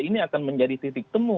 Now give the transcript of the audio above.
ini akan menjadi titik temu